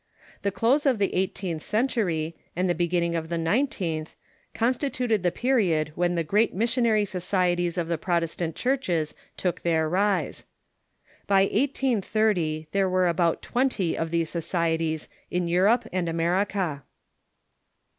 The close of the eighteenth century and the begin ning of the nineteenth constituted the period when the great missionary societies of the Protestant churches took their rise. By 1830 there were about twenty of these societies in Euroj^e and America.